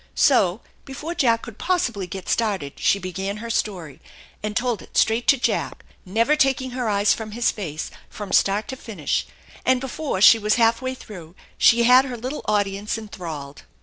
So before Jack could possibly get started she began her story, and told it straight to Jack, never taking her eyes from his face from start to finish, and 214 THE ENCHANTED BARN before she was half way through she had her little audience enthralled.